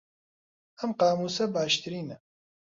ئەم قامووسە باشترینە.